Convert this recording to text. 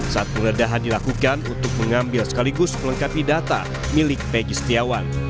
saat penggeledahan dilakukan untuk mengambil sekaligus melengkapi data milik peggie setiawan